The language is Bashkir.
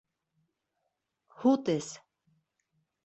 Һут эс!